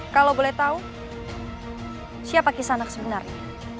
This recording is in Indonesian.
kalau boleh tahu siapa kisah anak sebenarnya